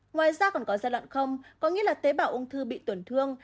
ngoài ra còn có giai đoạn có nghĩa là tế bào ung thư bị tổn thương